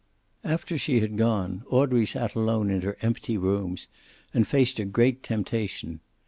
After she had gone, Audrey sat alone in her empty rooms and faced a great temptation.